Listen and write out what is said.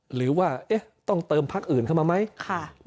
หรือว่าต้องเติมภักดิ์อื่นเข้ามาไหม